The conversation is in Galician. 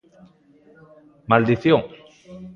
Maldición.